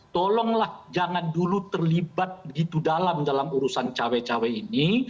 tolonglah jangan dulu terlibat begitu dalam urusan cewek cewek ini